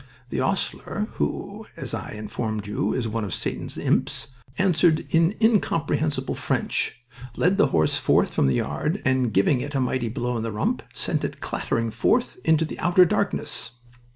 "The 'ostler, who, as I informed you, is one of Satan's imps, answered in incomprehensible French, led the horse forth from the yard, and, giving it a mighty blow on the rump, sent it clattering forth into the outer darkness.